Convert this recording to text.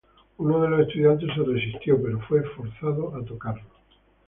Uno de los estudiantes se resistió, pero fue forzado a tocarlo.